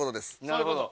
なるほど。